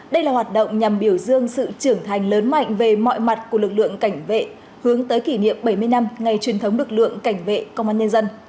đây là hoạt động nhằm biểu dương sự trưởng thành lớn mạnh về mọi mặt của lực lượng cảnh vệ hướng tới kỷ niệm bảy mươi năm ngày truyền thống lực lượng cảnh vệ công an nhân dân